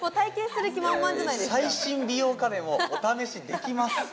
「最新美容家電をお試しできます」